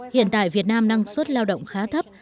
hiện tại việt nam năng suất lao động khá thấp